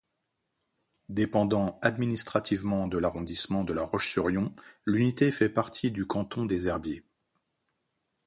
Dépendant administrativement de l’arrondissement de La Roche-sur-Yon, l’unité fait partie du canton des Herbiers.